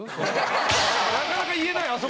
なかなか言えないあそこまでね。